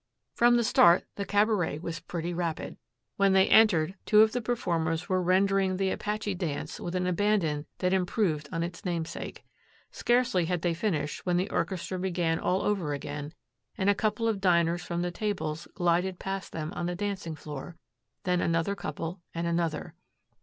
From the start the cabaret was pretty rapid. When they entered, two of the performers were rendering the Apache dance with an abandon that improved on its namesake. Scarcely had they finished when the orchestra began all over again, and a couple of diners from the tables glided past them on the dancing floor, then another couple and another.